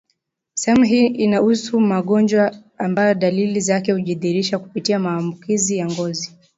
Sehemu hii inahusu magonjwa ambayo dalili zake hujidhihirisha kupitia maambukizi ya ngozi